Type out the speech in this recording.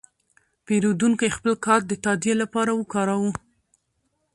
پیرودونکی خپل کارت د تادیې لپاره وکاراوه.